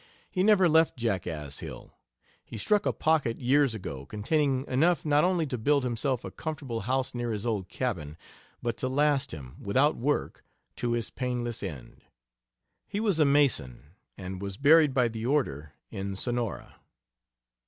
He never left Jackass Hill. He struck a pocket years ago containing enough not only to build himself a comfortable house near his old cabin, but to last him, without work, to his painless end. He was a Mason, and was buried by the Order in Sonora.